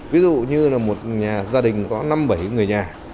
ví dụ như là một nhà gia đình có năm bảy người nhà